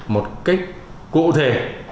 một cách cụ thể